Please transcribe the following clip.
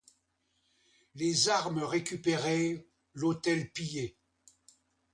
Les armes récupérées, l'hôtel pillé...